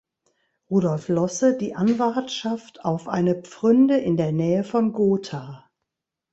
Rudolf Losse die Anwartschaft auf eine Pfründe in der Nähe von Gotha.